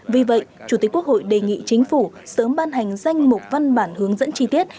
vì vậy chủ tịch quốc hội đề nghị chính phủ sớm ban hành danh mục văn bản hướng dẫn chi tiết